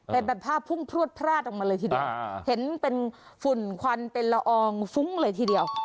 เป็นแบบภาพพุ่งพลวดพลาดออกมาเลยทีเดียวเห็นเป็นฝุ่นควันเป็นละอองฟุ้งเลยทีเดียว